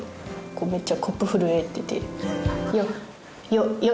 めっちゃコップ震えてて。